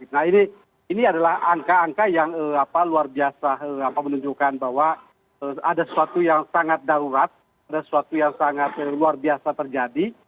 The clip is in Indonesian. nah ini adalah angka angka yang luar biasa menunjukkan bahwa ada sesuatu yang sangat darurat ada sesuatu yang sangat luar biasa terjadi